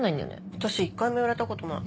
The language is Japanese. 私１回も言われたことない。